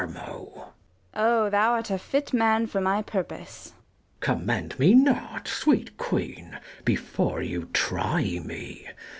82 Gon. Oh, thou art a fit man for my purpose. Mess. Commend me not, sweet queen, before you try me.